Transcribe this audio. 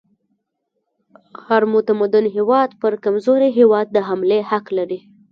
هر متمدن هیواد پر کمزوري هیواد د حملې حق لري.